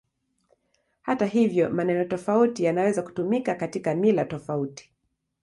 Hata hivyo, maneno tofauti yanaweza kutumika katika mila tofauti.